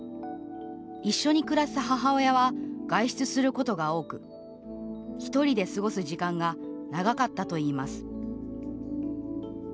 一緒に暮らす母親は外出することが多く１人で過ごす時間が長かったといいます。